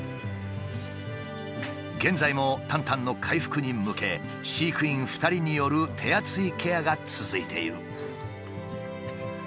現在もタンタンの回復に向け飼育員２人による手厚いケアが続いている。